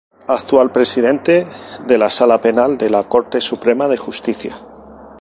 Actual presidente de la Sala Penal de la Corte Suprema de Justicia.